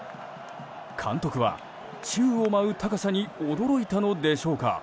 監督は、宙を舞う高さに驚いたのでしょうか